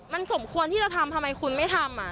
มันสมควรที่จะทำทำไมคุณไม่ทำ